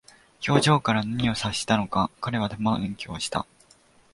表情から何か察したのか、彼は手招きをした。